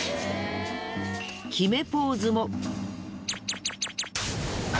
決めポーズも。